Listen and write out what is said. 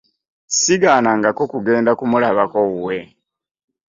Ssigaanangako kugenda kumulabako wuwe.